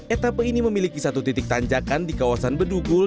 etapa ini memiliki satu titik tanjakan di kawasan bedugul